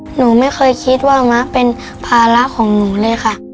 หนูไม่เคยคิดว่ามะเป็นภาระของหนูเลยค่ะ